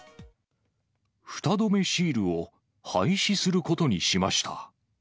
フタ止めシールを廃止することにしました。